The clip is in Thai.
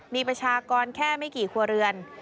มีประชากรแค่ไม่กี่ครัวเรือน